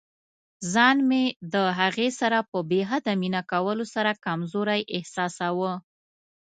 ځان مې د هغې سره په بې حده مینه کولو سره کمزوری احساساوه.